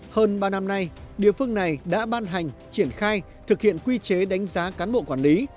hơn ba năm nay địa phương này đã ban hành triển khai thực hiện quy chế đánh giá cán bộ quản lý